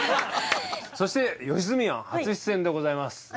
そして吉住は初出演でございます。